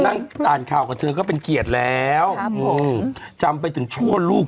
นั่งอ่านข่าวกับเธอก็เป็นเกียรติแล้วครับงงจำไปถึงชั่วลูก